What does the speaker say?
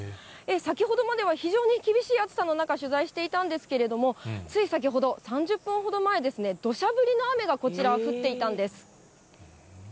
先ほどまでは非常に厳しい暑さの中、取材していたんですけれども、つい先ほど、３０分ほど前ですね、どしゃ降りの雨がこちらは降っていたんです。